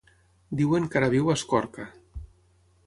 Diuen que ara viu a Escorca.